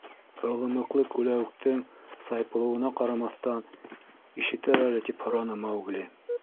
Ылымыҡлы күләүектең сайпылыуына ҡарамаҫтан, ишетер әле тип һораны Маугли: